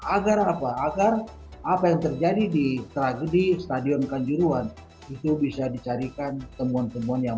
agar apa agar apa yang terjadi di tragedi stadion kanjuruhan itu bisa dicarikan temuan temuan yang